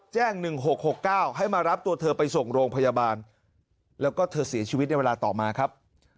๑๖๖๙ให้มารับตัวเธอไปส่งโรงพยาบาลแล้วก็เธอเสียชีวิตในเวลาต่อมาครับ